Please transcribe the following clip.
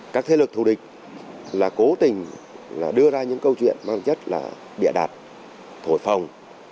các thế lực thù địch là cố tình đưa ra những câu chuyện mang chất địa đạt thổi phòng